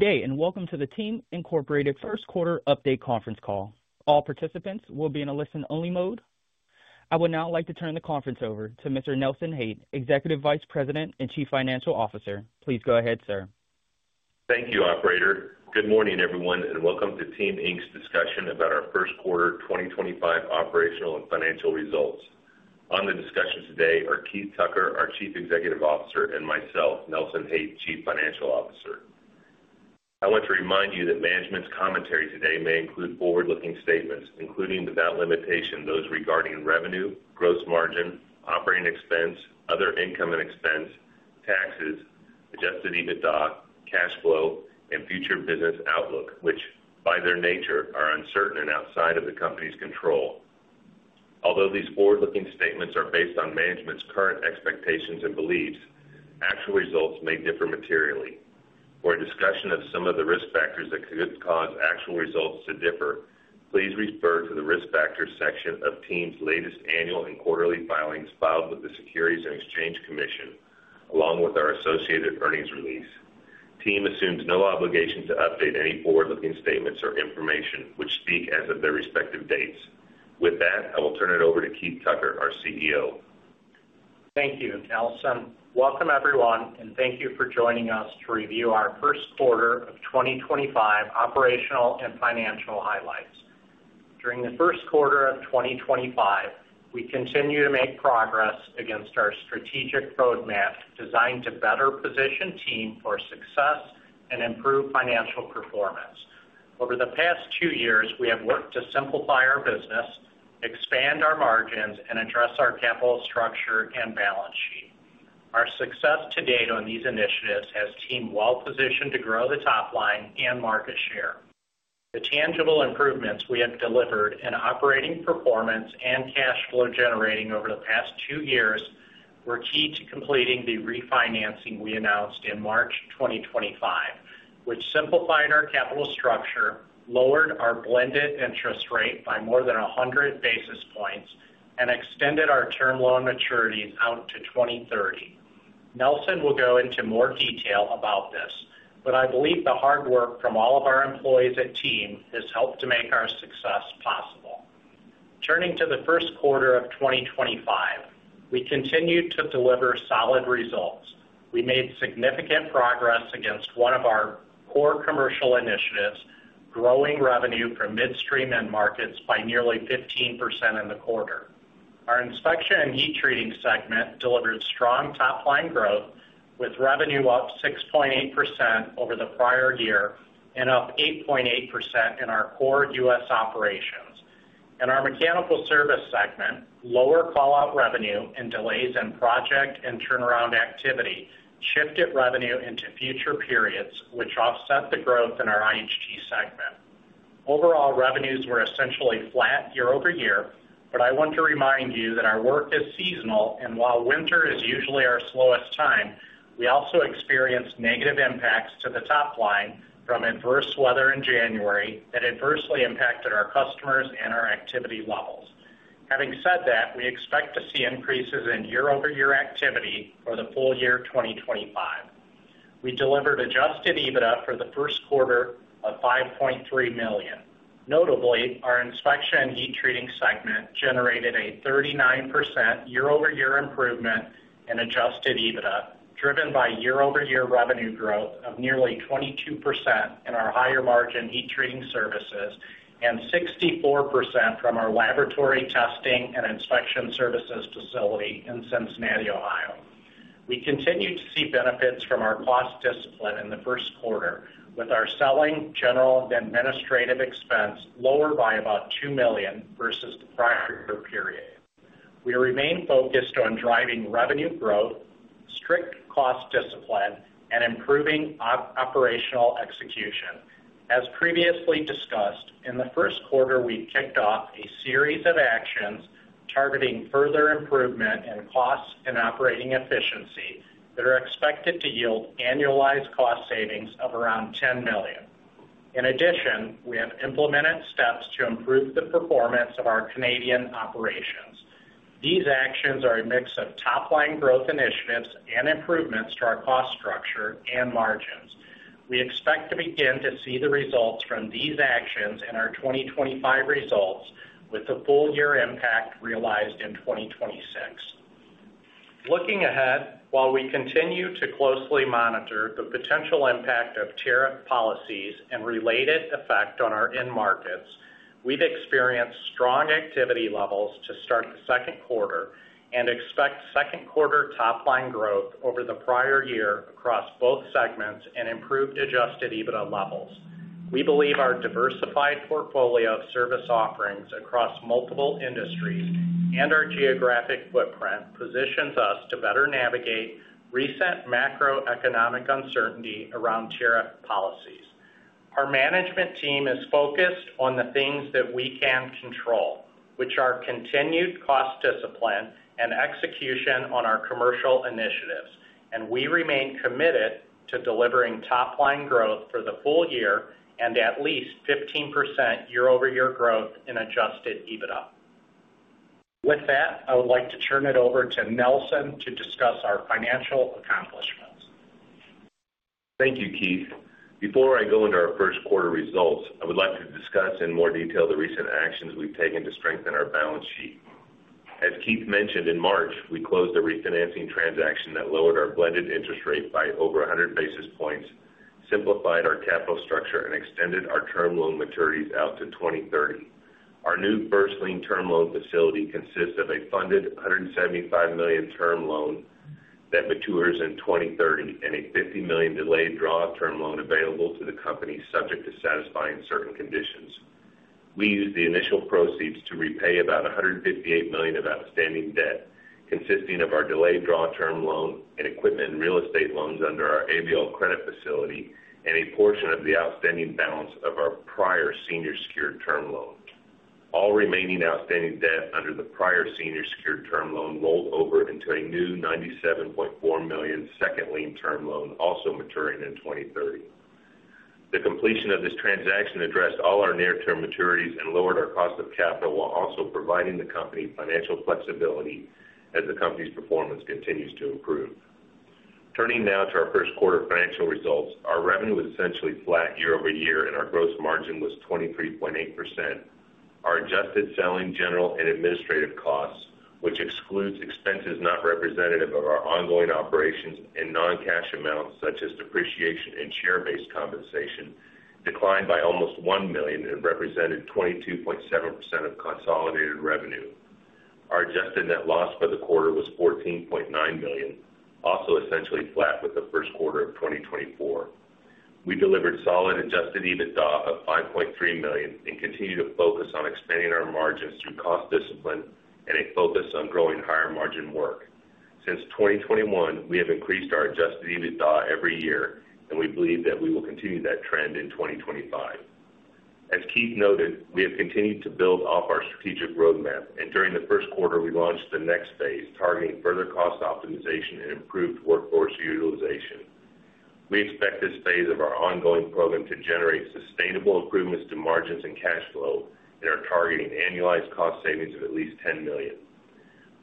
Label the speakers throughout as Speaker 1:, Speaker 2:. Speaker 1: Good day and welcome to the Team First Quarter Update Conference Call. All participants will be in a listen-only mode. I would now like to turn the conference over to Mr. Nelson Haight, Executive Vice President and Chief Financial Officer. Please go ahead, sir.
Speaker 2: Thank you, Operator. Good morning, everyone, and welcome to Team's discussion about our First Quarter 2025 operational and financial results. On the discussion today are Keith Tucker, our Chief Executive Officer, and myself, Nelson Haight, Chief Financial Officer. I want to remind you that Management's Commentary today may include forward-looking statements, including without limitation those regarding revenue, gross margin, operating expense, other income and expense, taxes, adjusted EBITDA, cash flow, and future business outlook, which by their nature are uncertain and outside of the company's control. Although these forward-looking statements are based on management's current expectations and beliefs, actual results may differ materially. For a discussion of some of the risk factors that could cause actual results to differ, please refer to the Risk Factors Section of Team's latest annual and quarterly filings filed with the Securities and Exchange Commission, along with our associated Earnings release. Team assumes no obligation to update any forward-looking statements or information which speak as of their respective dates. With that, I will turn it over to Keith Tucker, our CEO.
Speaker 3: Thank you, Nelson. Welcome, everyone, and thank you for joining us to review our first quarter of 2025 operational and financial highlights. During the first quarter of 2025, we continue to make progress against our Strategic Roadmap designed to better position Team for success and improve financial performance. Over the past two years, we have worked to simplify our business, expand our margins, and address our capital structure and balance sheet. Our success to date on these initiatives has Team well-positioned to grow the top line and market share. The tangible improvements we have delivered in operating performance and cash flow generating over the past two years were key to completing the refinancing we announced in March 2025, which simplified our capital structure, lowered our blended interest rate by more than 100 basis points, and extended our term loan maturities out to 2030. Nelson will go into more detail about this, but I believe the hard work from all of our employees at Team has helped to make our success possible. Turning to the first quarter of 2025, we continue to deliver solid results. We made significant progress against one of our core commercial initiatives, growing revenue from midstream end markets by nearly 15% in the quarter. Our Inspection and Heat Treating Segment delivered strong top line growth, with revenue up 6.8% over the prior year and up 8.8% in our core U.S. Operations. In our Mechanical Service Segment, lower callout revenue and delays in project and turnaround activity shifted revenue into future periods, which offset the growth in our Inspection and Heat Treating Segment. Overall, revenues were essentially flat year over year, but I want to remind you that our work is seasonal, and while winter is usually our slowest time, we also experienced negative impacts to the top line from adverse weather in January that adversely impacted our customers and our activity levels. Having said that, we expect to see increases in year-over-year activity for the full year 2025. We delivered adjusted EBITDA for the first quarter of $5.3 million. Notably, our Inspection and Heat Treating Segment generated a 39% year-over-year improvement in adjusted EBITDA, driven by year-over-year revenue growth of nearly 22% in our higher margin heat treating services and 64% from our laboratory testing and inspection services facility in Cincinnati, Ohio. We continue to see benefits from our cost discipline in the first quarter, with our selling, general, and administrative expense lower by about $2 million versus the prior period. We remain focused on driving revenue growth, strict cost discipline, and improving operational execution. As previously discussed, in the first quarter, we kicked off a series of actions targeting further improvement in costs and operating efficiency that are expected to yield annualized cost savings of around $10 million. In addition, we have implemented steps to improve the performance of our Canadian Operations. These actions are a mix of top line growth initiatives and improvements to our cost structure and margins. We expect to begin to see the results from these actions in our 2025 results, with the full year impact realized in 2026. Looking ahead, while we continue to closely monitor the potential impact of tariff policies and related effect on our end markets, we've experienced strong activity levels to start the second quarter and expect second quarter top line growth over the prior year across both segments and improved adjusted EBITDA levels. We believe our diversified portfolio of service offerings across multiple industries and our geographic footprint positions us to better navigate recent macroeconomic uncertainty around tariff policies. Our management team is focused on the things that we can control, which are continued cost discipline and execution on our commercial initiatives, and we remain committed to delivering top line growth for the full year and at least 15% year-over-year growth in adjusted EBITDA. With that, I would like to turn it over to Nelson to discuss our financial accomplishments.
Speaker 2: Thank you, Keith. Before I go into our first quarter results, I would like to discuss in more detail the recent actions we have taken to strengthen our balance sheet. As Keith mentioned, in March, we closed a refinancing transaction that lowered our blended interest rate by over 100 basis points, simplified our capital structure, and extended our term loan maturities out to 2030. Our new First-Lien term loan facility consists of a funded $175 million term loan that matures in 2030 and a $50 million Delayed Draw Term Loan available to the company, subject to satisfying certain conditions. We used the initial proceeds to repay about $158 million of outstanding debt, consisting of our Delayed Draw Term Loan and equipment and real estate loans under our ABL Credit Facility and a portion of the outstanding balance of our prior senior secured term loan. All remaining outstanding debt under the prior senior secured term loan rolled over into a new $97.4 million Second-Lien Term Loan, also maturing in 2030. The completion of this transaction addressed all our near-term maturities and lowered our cost of capital while also providing the company financial flexibility as the company's performance continues to improve. Turning now to our first quarter financial results, our revenue was essentially flat year-over-year, and our gross margin was 23.8%. Our adjusted selling, general, and administrative costs, which excludes expenses not representative of our ongoing operations and non-cash amounts such as depreciation and share-based compensation, declined by almost $1 million and represented 22.7% of consolidated revenue. Our adjusted net loss for the quarter was $14.9 million, also essentially flat with the first quarter of 2024. We delivered solid adjusted EBITDA of $5.3 million and continue to focus on expanding our margins through cost discipline and a focus on growing higher margin work. Since 2021, we have increased our adjusted EBITDA every year, and we believe that we will continue that trend in 2025. As Keith noted, we have continued to build off our Strategic Roadmap, and during the first quarter, we launched the next phase targeting further cost optimization and improved workforce utilization. We expect this phase of our ongoing program to generate sustainable improvements to margins and cash flow, and are targeting annualized cost savings of at least $10 million.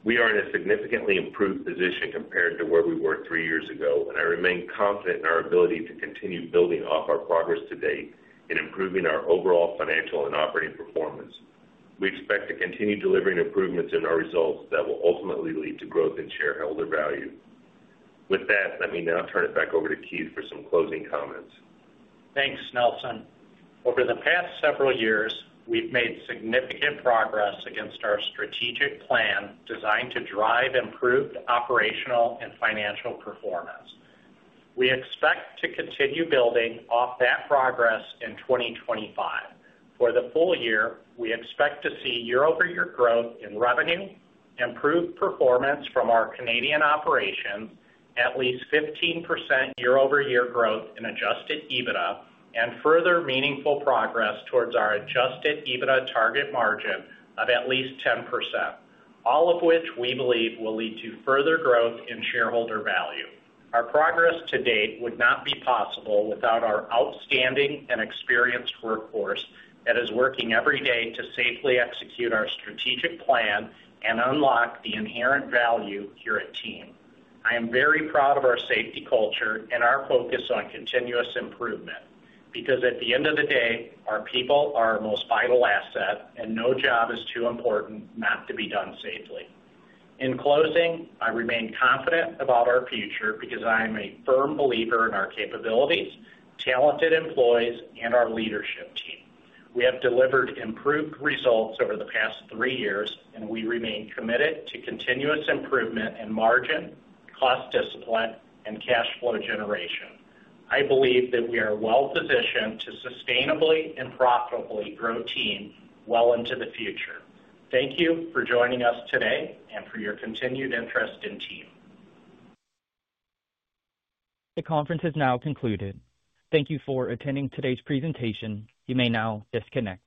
Speaker 2: We are in a significantly improved position compared to where we were three years ago, and I remain confident in our ability to continue building off our progress to date and improving our overall financial and operating performance. We expect to continue delivering improvements in our results that will ultimately lead to growth in shareholder value. With that, let me now turn it back over to Keith for some closing comments.
Speaker 3: Thanks, Nelson. Over the past several years, we've made significant progress against our strategic plan designed to drive improved operational and financial performance. We expect to continue building off that progress in 2025. For the full year, we expect to see year-over-year growth in revenue, improved performance from our Canadian Operations, at least 15% year-over-year growth in adjusted EBITDA, and further meaningful progress towards our adjusted EBITDA target margin of at least 10%, all of which we believe will lead to further growth in shareholder value. Our progress to date would not be possible without our outstanding and experienced workforce that is working every day to safely execute our strategic plan and unlock the inherent value here at Team. I am very proud of our safety culture and our focus on continuous improvement because, at the end of the day, our people are our most vital asset, and no job is too important not to be done safely. In closing, I remain confident about our future because I am a firm believer in our capabilities, talented employees, and our leadership team. We have delivered improved results over the past three years, and we remain committed to continuous improvement in margin, cost discipline, and cash flow generation. I believe that we are well-positioned to sustainably and profitably grow Team well into the future. Thank you for joining us today and for your continued interest in Team.
Speaker 1: The conference has now concluded. Thank you for attending today's presentation. You may now disconnect.